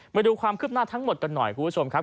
มาดูความคืบหน้าทั้งหมดกันหน่อยคุณผู้ชมครับ